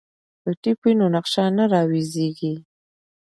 که ټیپ وي نو نقشه نه راویځیږي.